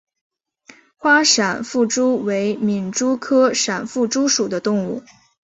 花闪腹蛛为皿蛛科闪腹蛛属的动物。